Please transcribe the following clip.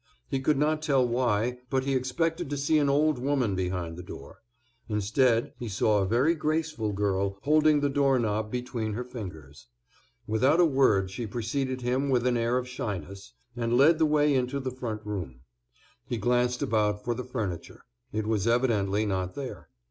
He could not tell why, but he expected to see an old woman behind the door; instead he saw a very graceful girl holding the door knob between her fingers. Without a word she preceded him with an air of shyness, and led the way into the front room. He glanced about for the furniture; it was evidently not there.